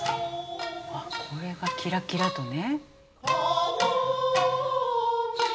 これがキラキラとね。